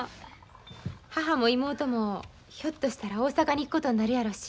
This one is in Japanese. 母も妹もひょっとしたら大阪に行くことになるやろし。